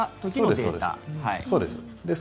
そうです。